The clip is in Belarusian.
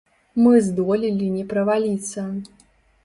Мы здолелі не праваліцца.